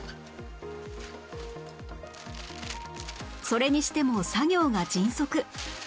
それにしても作業が迅速